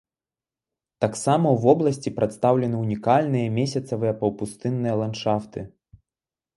Таксама ў вобласці прадстаўлены ўнікальныя месяцавыя паўпустынныя ландшафты.